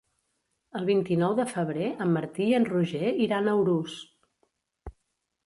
El vint-i-nou de febrer en Martí i en Roger iran a Urús.